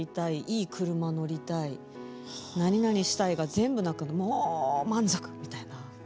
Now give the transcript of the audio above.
いい車乗りたいなになにしたいが全部なくもう満足みたいな。